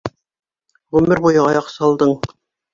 Ғүмер буйы аяҡ салдың!